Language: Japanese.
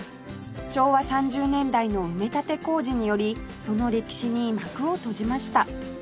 昭和３０年代の埋め立て工事によりその歴史に幕を閉じました